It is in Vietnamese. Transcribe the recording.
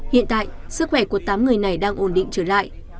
hiện tại sức khỏe của tám người này đang ổn định trở lại